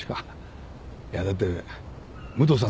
いやだって武藤さん